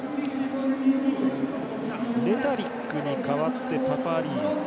レタリックに代わって、パパリイ。